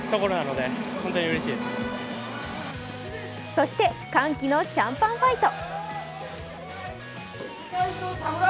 そして歓喜のシャンパンファイト。